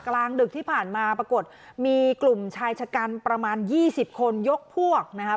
กลางดึกที่ผ่านมาปรากฏมีกลุ่มชายชะกันประมาณ๒๐คนยกพวกนะครับ